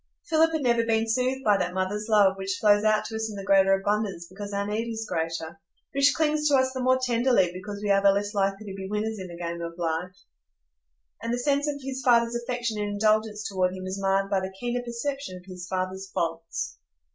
Philip had never been soothed by that mother's love which flows out to us in the greater abundance because our need is greater, which clings to us the more tenderly because we are the less likely to be winners in the game of life; and the sense of his father's affection and indulgence toward him was marred by the keener perception of his father's faults.